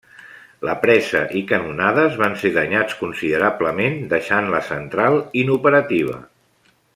La presa i canonades van ser danyats considerablement, deixant la central inoperativa.